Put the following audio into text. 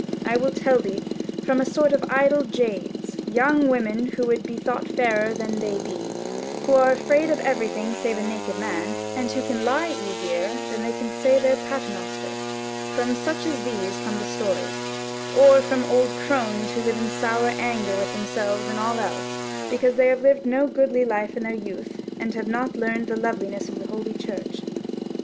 I will tell thee; from a sort of idle jades, young women who would be thought fairer than they be, who are afraid of everything save a naked man, and who can lie easier than they can say their paternoster: from such as these come the stories; or from old crones who live in sour anger with themselves and all else, because they have lived no goodly life in their youth, and have not learned the loveliness of holy church.